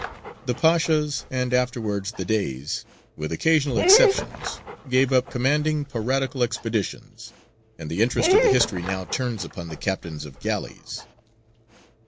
The Pashas, and afterwards the Deys, with occasional exceptions, gave up commanding piratical expeditions, and the interest of the history now turns upon the captains of galleys.